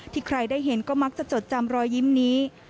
ใครได้เห็นก็มักจะจดจำรอยยิ้มนี้